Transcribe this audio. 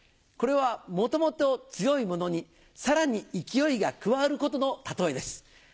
これはもともと強いものにさらに勢いが加わることの例えです。